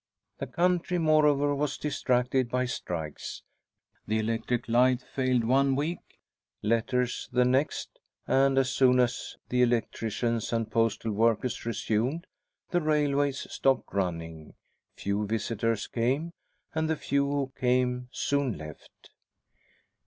The country, moreover, was distracted by strikes. The electric light failed one week, letters the next, and as soon as the electricians and postal workers resumed, the railways stopped running. Few visitors came, and the few who came soon left.